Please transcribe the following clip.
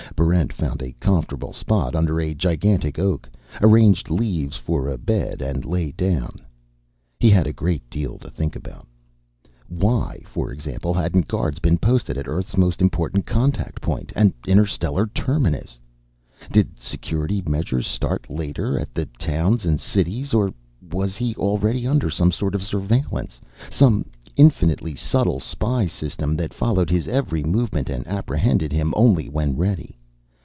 Barrent found a comfortable spot under a gigantic oak, arranged leaves for a bed, and lay down. He had a great deal to think about. Why, for example, hadn't guards been posted at Earth's most important contact point, an interstellar terminus? Did security measures start later at the towns and cities? Or was he already under some sort of surveillance, some infinitely subtle spy system that followed his every movement and apprehended him only when ready?